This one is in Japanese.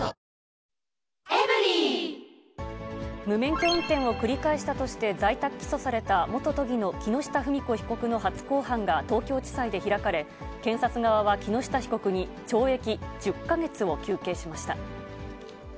無免許運転を繰り返したとして、在宅起訴された元都議の木下富美子被告の初公判が東京地裁で開かれ、検察側は木下被告に懲役１０か月を求刑しました。